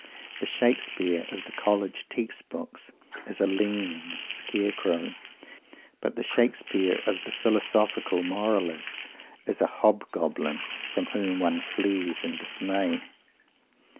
The Shakespeare of the College Text Books is a lean scarecrow. But the Shakespeare of the philosophical moralists is an Hob goblin from whom one flees in dismay.